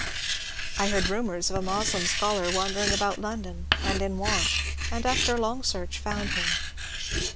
I heard rumours of a Moslem scholar wandering about London, and in want, and after a long search found him.